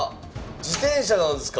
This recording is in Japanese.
自転車なんですか